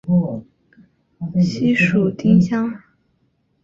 西蜀丁香是木犀科丁香属的植物。